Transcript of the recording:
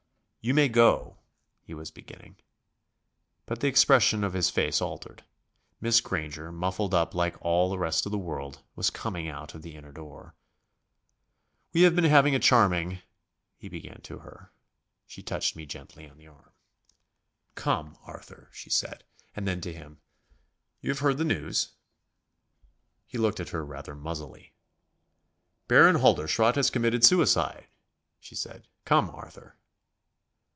"You may go ..." he was beginning. But the expression of his face altered. Miss Granger, muffled up like all the rest of the world, was coming out of the inner door. "We have been having a charming ..." he began to her. She touched me gently on the arm. "Come, Arthur," she said, and then to him, "You have heard the news?" He looked at her rather muzzily. "Baron Halderschrodt has committed suicide," she said. "Come, Arthur."